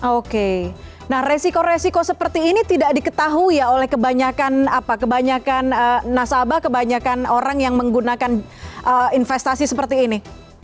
oke nah resiko resiko seperti ini tidak diketahui ya oleh kebanyakan nasabah kebanyakan orang yang menggunakan investasi seperti ini